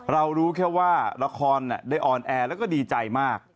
รู้แค่ว่าละครได้ออนแอร์แล้วก็ดีใจมาก